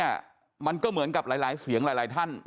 แต่ว่าถ้ามุมมองในทางการรักษาก็ดีค่ะ